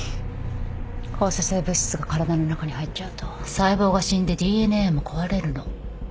放射性物質が体の中に入っちゃうと細胞が死んでＤＮＡも壊れるの。